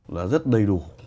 là rất đầy đủ